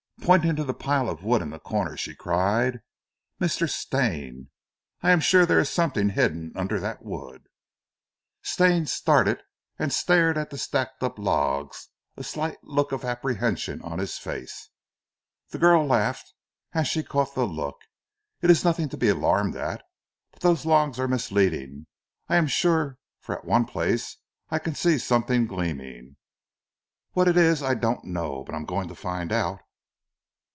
Pointing to the pile of wood in the corner she cried: "Mr. Stane, I am sure there is something hidden under that wood." Stane started and stared at the stacked up logs, a slight look of apprehension on his face. The girl laughed as she caught the look. "It is nothing to be alarmed at; but those logs are misleading I am sure, for at one place I can see something gleaming. What it is I don't know, but I am going to find out."